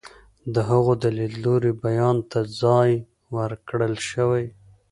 د هغوی د لیدلوري بیان ته ځای ورکړل شوی.